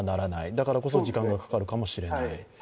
だからこそ、時間がかかるかもしれない。